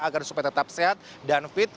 agar supaya tetap sehat dan fit